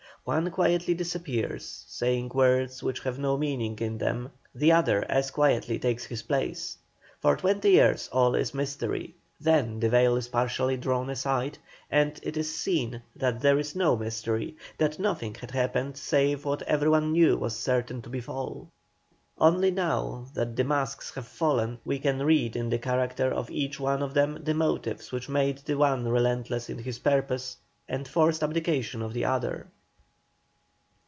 One quietly disappears, saying words which have no meaning in them; the other as quietly takes his place. For twenty years all is mystery; then the veil is partially drawn aside, and it is seen that there is no mystery, that nothing had happened save what everyone knew was certain to befall. Only now that the masks have fallen we can read in the character of each one of them the motives which made the one relentless in his purpose and forced abdication on the other.